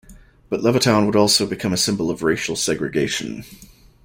But Levittown would also become a symbol of racial segregation.